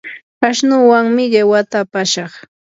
ashnuwanmi qiwata apashaq.